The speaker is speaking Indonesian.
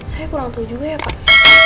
saya kurang tahu juga ya pak